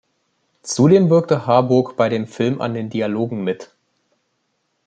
Zudem wirkte Harburg bei dem Film an den Dialogen mit.